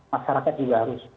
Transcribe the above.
masyarakat juga harus